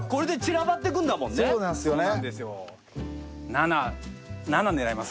７７狙います。